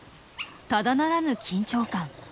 ただならぬ緊張感。